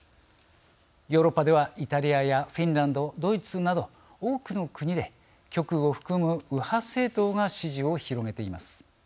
ヨーロッパではイタリアやフィンランドドイツなど多くの国で極右を含む右派政党が支持を広げています。